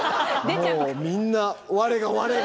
もうみんな我が我が。